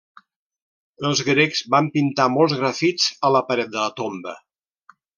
Els grecs van pintar molts grafits a la paret de la tomba.